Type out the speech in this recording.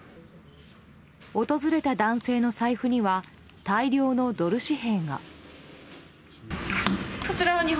訪れた男性の財布には大量のドル紙幣が。